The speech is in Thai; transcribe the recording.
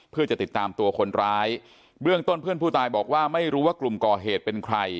เพื่อจะติดตามตัวคนร้ายเบื้องต้นเพื่อนผู้ตายบอกว่าไม่รู้ว่ากลุ่มก่อเหตุเป็นใคร